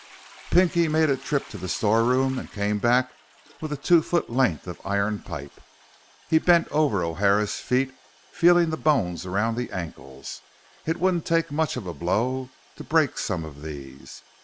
Pinky made a trip to the storeroom and came back with a two foot length of iron pipe. He bent over O'Hara's feet, feeling the bones around the ankles. It wouldn't take much of a blow to break some of these.